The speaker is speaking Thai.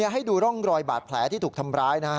ให้ดูร่องรอยบาดแผลที่ถูกทำร้ายนะฮะ